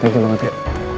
thank you banget ya